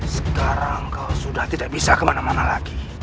sekarang sudah tidak bisa kemana mana lagi